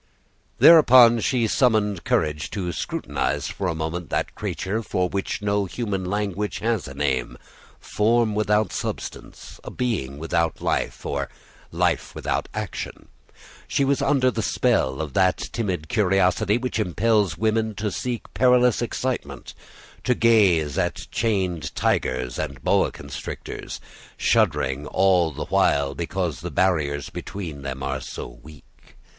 Thereupon she summoned courage to scrutinize for a moment that creature for which no human language has a name, form without substance, a being without life, or life without action. She was under the spell of that timid curiosity which impels women to seek perilous excitement, to gaze at chained tigers and boa constrictors, shuddering all the while because the barriers between them are so weak.